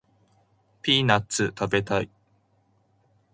ピーナッツ食べたい